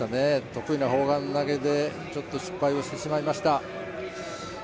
得意な砲丸投でちょっと失敗をしてしまいました。